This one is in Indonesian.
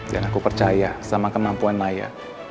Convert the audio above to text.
dan aku percaya sama kemampuan naya